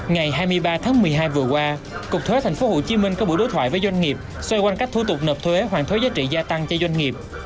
ngày hai mươi ba tháng một mươi hai vừa qua cục thuế tp hcm có buổi đối thoại với doanh nghiệp xoay quanh các thủ tục nộp thuế hoàn thuế giá trị gia tăng cho doanh nghiệp